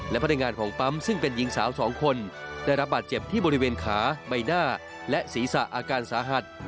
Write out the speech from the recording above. และพนักงานของปั๊มซึ่งเป็นหญิงสาวสองคนได้รับบาดเจ็บที่บริเวณขาใบหน้าและศีรษะอาการสาหัส